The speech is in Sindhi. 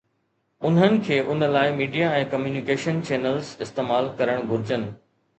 انهن کي ان لاءِ ميڊيا ۽ ڪميونيڪيشن چينلز استعمال ڪرڻ گهرجن.